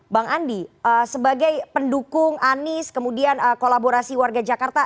bang andi sebagai pendukung anies kemudian kolaborasi warga jakarta